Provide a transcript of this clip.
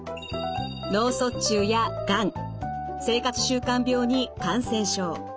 脳卒中やがん生活習慣病に感染症